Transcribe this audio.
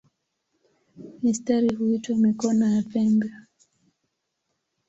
Mistari huitwa "mikono" ya pembe.